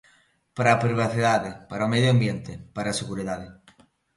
Para a privacidade, para o medio ambiente, para a seguridade.